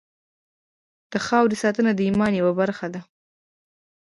د خاورې ساتنه د ایمان یوه برخه ده.